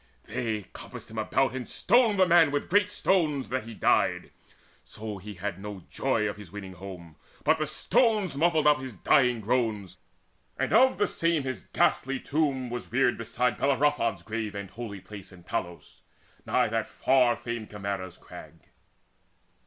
They compassed him about, And stoned the man with great stones, that he died. So had he no joy of his winning home, But the stones muffled up his dying groans, And of the same his ghastly tomb was reared Beside Bellerophon's grave and holy place In Tlos, nigh that far famed Chimaera's Crag.